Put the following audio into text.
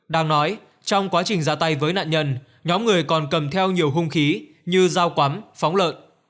đang nói trong quá trình giả tay với nạn nhân nhóm người còn cầm theo nhiều hung khí như giao quắm phóng lợn